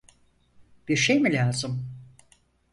Bir şey mi lazım?